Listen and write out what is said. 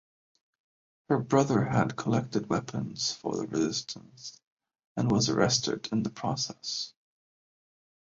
Her brother had collected weapons for the resistance and was arrested in the process.